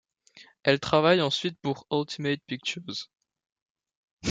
Elle travaille ensuite pour Ultimate Pictures.